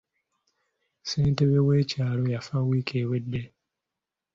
Ssentebe w'ekyalo yafa wiiki ewedde.